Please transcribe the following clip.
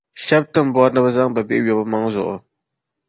Shɛba ti ni bɔri ni bɛ zaŋ bɛ bihi n-yo bɛ maŋa zuɣu.